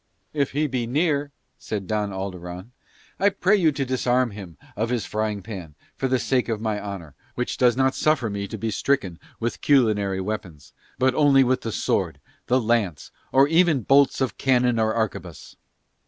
"If he be near," said Don Alderon, "I pray you to disarm him of his frying pan for the sake of my honour, which does not suffer me to be stricken with culinary weapons, but only with the sword, the lance, or even bolts of cannon or arquebuss